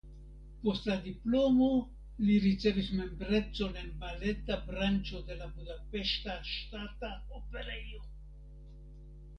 Post la diplomo li ricevis membrecon en baleta branĉo de la Budapeŝta Ŝtata Operejo.